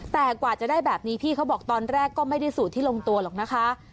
แต่กว่าจะได้แบบนี้พี่เขาบอกตอนแรกก็ไม่ได้สูตรที่ลงตัวหรอกนะคะ